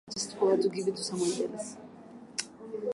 wakili wao mtetezi john habie muhuzenge